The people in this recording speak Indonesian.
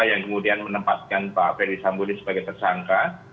yang kemudian menempatkan pak fredy sambudi sebagai tersangka